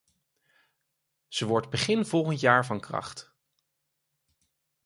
Ze wordt begin volgend jaar van kracht.